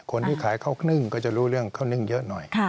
คนที่ขายข้าวนึ่งก็จะรู้เรื่องข้าวนึ่งเยอะหน่อย